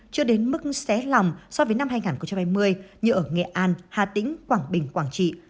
chưa đến mức xé lòng so với năm hai nghìn hai mươi như ở nghệ an hà tĩnh quảng bình quảng trị